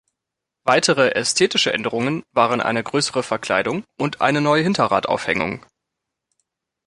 Weitere ästhetische Änderungen waren eine größere Verkleidung und eine neue Hinterradaufhängung.